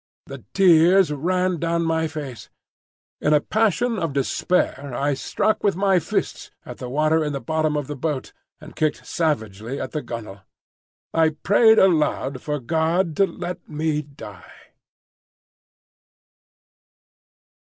The tears ran down my face. In a passion of despair I struck with my fists at the water in the bottom of the boat, and kicked savagely at the gunwale. I prayed aloud for God to let me die.